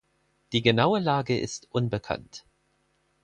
Die genaue Lage ist unbekannt.